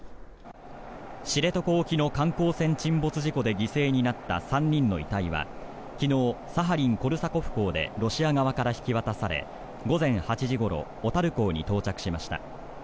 知床沖の観光船沈没事故で犠牲になった３人の遺体は昨日、サハリン・コルサコフ港でロシア側から引き渡され午前８時ごろ小樽港に到着しました。